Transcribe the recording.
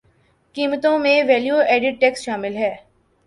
قیمتوں میں value added tax شامل ہے